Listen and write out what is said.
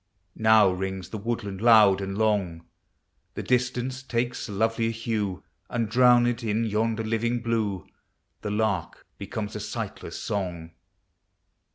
02 POEMS OF NATURE. Now rings the woodland loud and long, The distance takes a lovelier hue, And drowned in yonder living blue The lark becomes a sightless song.